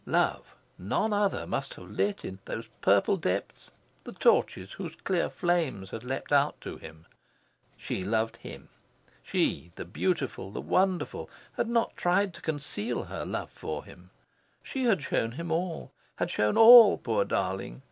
Love, none other, must have lit in those purple depths the torches whose clear flames had leapt out to him. She loved him. She, the beautiful, the wonderful, had not tried to conceal her love for him. She had shown him all had shown all, poor darling!